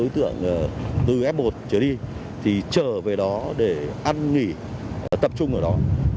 tưởng từ f một trở đi thì chờ về đó để ăn nghỉ tập trung ở đó